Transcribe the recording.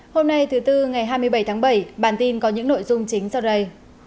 hôm nay thứ tư ngày hai mươi bảy tháng bảy bản tin có những nội dung chính sau đây